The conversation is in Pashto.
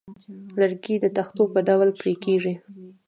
لرګی د تختو په ډول پرې کېږي.